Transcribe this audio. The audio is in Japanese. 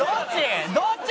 どっち？